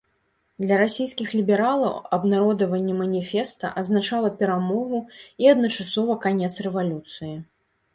Для расійскіх лібералаў абнародаванне маніфеста азначала перамогу і адначасова канец рэвалюцыі.